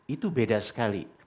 itu beda sekali